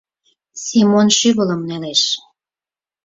— Семон шӱвылым нелеш.